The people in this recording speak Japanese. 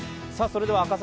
赤坂